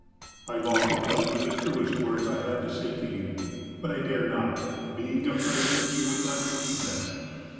I long to tell you the truest words I have to say to you; but I dare not, being afraid that you would not believe them.